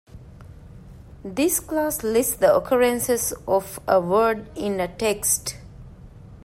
This class lists the occurrences of a word in a text.